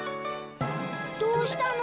どうしたの？